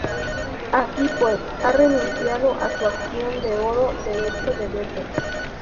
Así pues, ha renunciado a su "acción de oro" derecho de veto.